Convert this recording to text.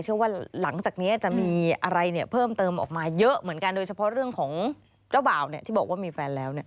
เชื่อว่าหลังจากนี้จะมีอะไรเพิ่มเติมออกมาเยอะเหมือนกันโดยเฉพาะเรื่องของเจ้าบ่าวที่บอกว่ามีแฟนแล้ว